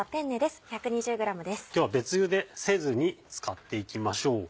今日は別ゆでせずに使っていきましょう。